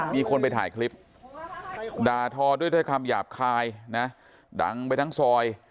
มีคนไปถ่ายคลิปด่าทอด้วยคำหยาบคายนะดังไปทั้งซอย